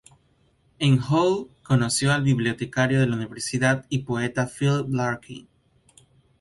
En Hull conoció al bibliotecario de la universidad y poeta Philip Larkin.